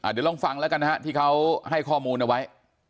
เดี๋ยวลองฟังแล้วกันนะฮะที่เขาให้ข้อมูลเอาไว้